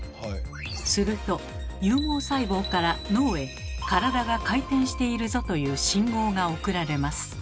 すると有毛細胞から脳へ「体が回転しているぞ！」という信号が送られます。